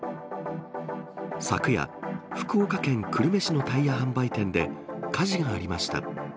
昨夜、福岡県久留米市のタイヤ販売店で火事がありました。